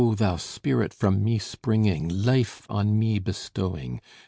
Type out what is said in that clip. thou Spirit from me springing, Life on me bestowing!